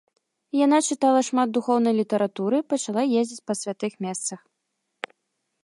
Яна чытала шмат духоўнай літаратуры, пачала ездзіць па святых месцах.